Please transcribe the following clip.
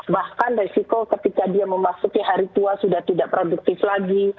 bahkan resiko ketika dia memasuki hari tua sudah tidak produktif lagi